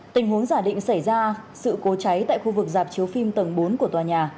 tình huống giả định xảy ra sự cố cháy tại khu vực dạp chiếu phim tầng bốn của tòa nhà